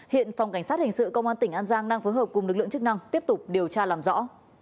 hiện phòng cảnh sát hình sự công an tỉnh an giang đang phối hợp cùng lực lượng chức năng tiếp tục điều tra làm rõ